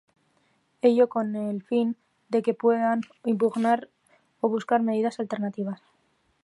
Ello con el fín de que puedan impugnar o buscar medidas alternativas.